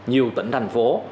nhiều tỉnh thành phố